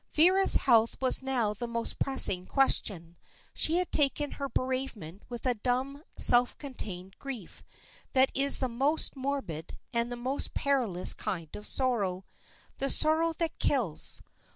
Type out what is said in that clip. Vera's health was now the most pressing question. She had taken her bereavement with a dumb, self contained grief, that is the most morbid and the most perilous kind of sorrow; the sorrow that kills.